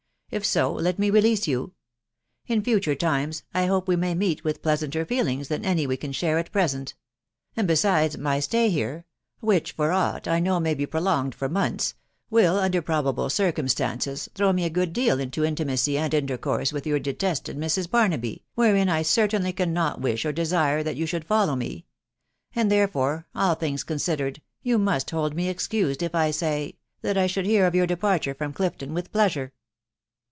If so, let me release yon. .... In future times I hope we may meet with pleaaanter feelings than any we can share at present ; and, besides, my stay here— which for aught I know may be prolonged for months — will, under probable circumstances, throw me a good deal into' intimacy and intercourse with your detested Mrs. Barnaby, wherein I certainly cannot wish or desire that you should follow me ; and therefore .... all things con sidered, you must hold me excused if I say .... that I should hear of your departure from Clifton with pleasure."